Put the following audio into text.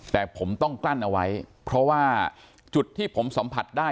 แต่ผมต้องกลั้นเอาไว้เพราะว่าจุดที่ผมสัมผัสได้